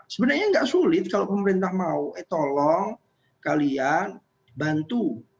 sebenarnya nggak sulit kalau pemerintah mau eh tolong kalian bantu